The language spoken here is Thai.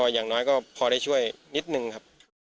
อย่างน้อยก็พอได้ช่วยนิดนึงครับ